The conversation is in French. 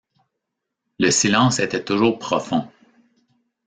Le silence était toujours profond.